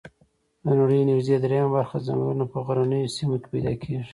د نړۍ نږدي دریمه برخه ځنګلونه په غرنیو سیمو کې پیدا کیږي